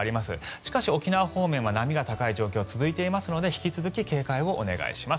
しかし、沖縄方面は波が高い状況が続いているので引き続き警戒をお願いします。